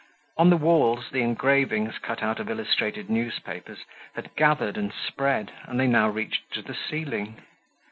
On the walls the engravings cut out of illustrated newspapers had gathered and spread, and they now reached to the ceiling.